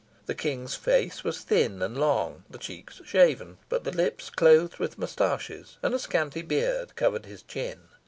The King's face was thin and long, the cheeks shaven, but the lips clothed with mustaches, and a scanty beard covered his chin.